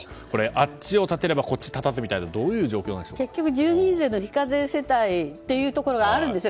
あっちを立てればこっち佇みたいな状況ですが結局、住民税と非課税世帯というところがあるんですよ。